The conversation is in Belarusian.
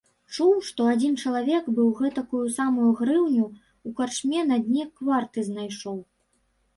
Чуў, што адзін чалавек быў гэтакую самую грыўню ў карчме на дне кварты знайшоў.